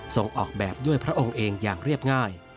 ออกแบบด้วยพระองค์เองอย่างเรียบง่าย